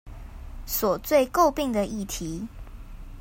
所最詬病的議題